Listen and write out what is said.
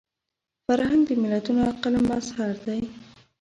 فرهنګ د ملتونو عقل مظهر دی